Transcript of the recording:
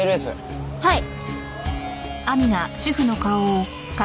はい。